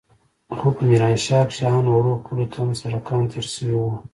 خو په ميرانشاه کښې ان وړو کليو ته هم سړکان تېر سوي وو.